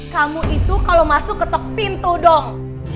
kamu itu kalau masuk ketuk pintu dong